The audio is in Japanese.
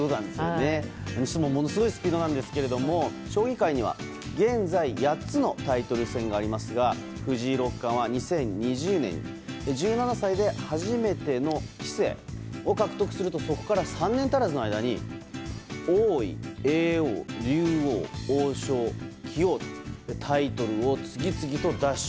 それにしてもものすごいスピードなんですが将棋界には現在、８つのタイトル戦がありますが藤井六冠は２０２０年に１７歳で初めての棋聖を獲得するとそこから３年足らずの間に王位、叡王、竜王、王将、棋王とタイトルを次々と奪取。